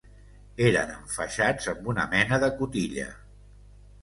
Eren enfaixats amb una mena de cotilla